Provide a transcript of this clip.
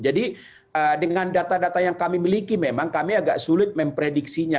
dengan data data yang kami miliki memang kami agak sulit memprediksinya